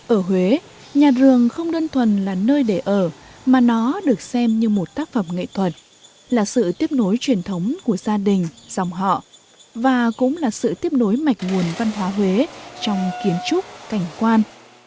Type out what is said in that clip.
ở huế nhà rường không đơn thuần là nơi để ở mà nó được xem như một tác phẩm nghệ thuật là sự tiếp nối truyền thống của gia đình dòng họ và cũng là sự tiếp nối mạch nguồn văn hóa huế trong kiến trúc cảnh quan